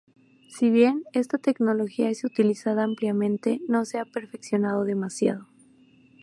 Si bien esta tecnología es utilizada ampliamente, no se ha perfeccionado demasiado.